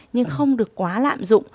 nhưng không được quá lạm dụng